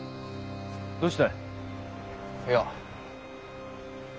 どうしたい？いや。